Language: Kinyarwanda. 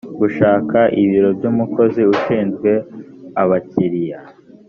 gushaka ibiro by umukozi ushinzwe abakiriya